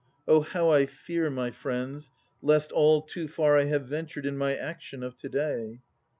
O how I fear, my friends, lest all too far I have ventured in my action of to day!